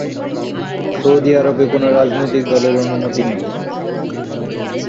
Saudi আরবে কোনও রাজনৈতিক দলের অনুমতি নেই।